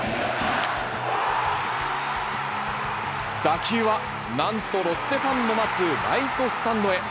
打球はなんと、ロッテファンの待つライトスタンドへ。